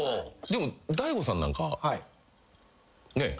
でも大悟さんなんかねえ。